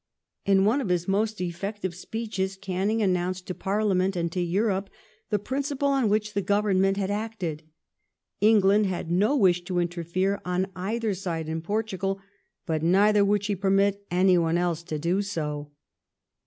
'*' In one of This most effective speeches Canning announced to Parliament and to Europe the principle on which the Government had acted. England had no wish t(5 interfere on either side in Portugal, but neither would she permit anyone else to do so.